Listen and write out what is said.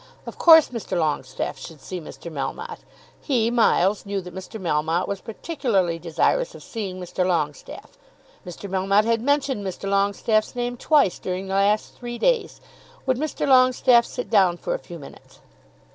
Of course Mr. Longestaffe should see Mr. Melmotte. He, Miles, knew that Mr. Melmotte was particularly desirous of seeing Mr. Longestaffe. Mr. Melmotte had mentioned Mr. Longestaffe's name twice during the last three days. Would Mr. Longestaffe sit down for a few minutes?